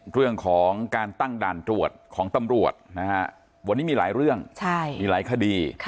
เรื่องของการตั้งด่านตรวจของตำรวจนะฮะวันนี้มีหลายเรื่องมีหลายคดี